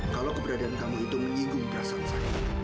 kalau keberadaan kamu itu menyinggung perasaan saya